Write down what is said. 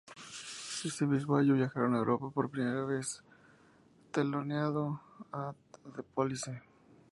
Ese mismo año viajaron a Europa por primera vez, teloneando a The Police.